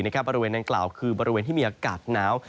บริเวณดังกล่าวคือบริเวณที่มีอากาศหนาว